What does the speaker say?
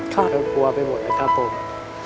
ก็ก็กลัวไปหมดแล้วครับนะครับผม